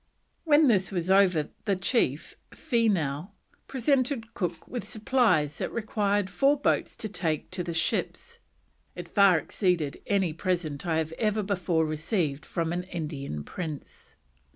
When this was over the chief, Feenough, presented Cook with supplies that required four boats to take to the ships; it "far exceeded any present I had ever before received from an Indian Prince."